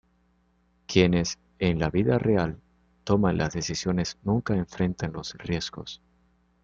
Quienes, en la vida real, toman las decisiones nunca enfrentan los riesgos.